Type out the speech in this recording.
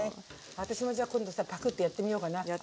私もじゃ今度さパクってやってみようかな青のり。